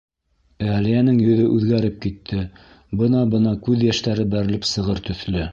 — Әлиәнең йөҙө үҙгәреп китте, бына-бына күҙ йәштәре бәрелеп сығыр төҫлө.